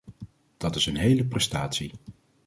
Dat is een hele prestatie.